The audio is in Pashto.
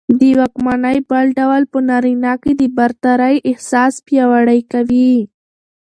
د واکمنۍ بل ډول په نارينه کې د برترۍ احساس پياوړى کوي